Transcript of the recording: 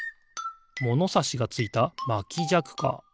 ものさしがついたまきじゃくか。